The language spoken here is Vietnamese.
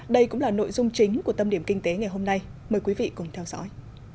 đây cũng là nội dung chính của tâm điểm kinh tế ngày hôm nay mời quý vị cùng theo dõi